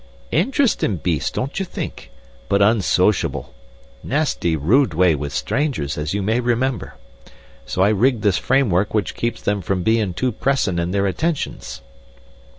"Interestin' beasts, don't you think? But unsociable! Nasty rude ways with strangers, as you may remember. So I rigged this framework which keeps them from bein' too pressin' in their attentions."